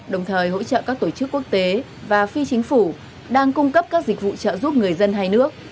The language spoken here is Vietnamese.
đồng thời hỗ trợ các tổ chức quốc tế và phi chính phủ đang cung cấp các dịch vụ trợ giúp người dân hai nước